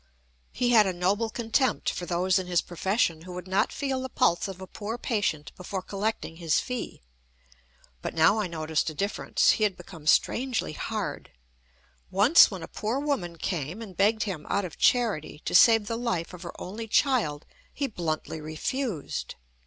He had a noble contempt far those in his profession who would not feel the pulse of a poor patient before collecting his fee. But now I noticed a difference. He had become strangely hard. Once when a poor woman came, and begged him, out of charity, to save the life of her only child, he bluntly refused.